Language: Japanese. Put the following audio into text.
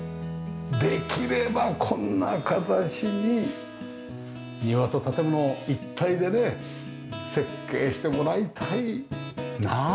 できればこんな形に庭と建物一体でね設計してもらいたいなあ。